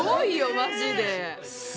マジで！